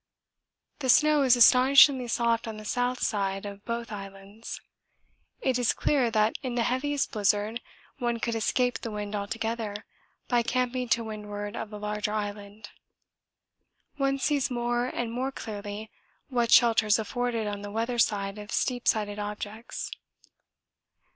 The snow is astonishingly soft on the south side of both islands. It is clear that in the heaviest blizzard one could escape the wind altogether by camping to windward of the larger island. One sees more and more clearly what shelter is afforded on the weather side of steep sided objects.